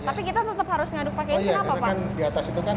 tapi kita harus mengaduk pada kanan inioit pengeduk agar ter moyen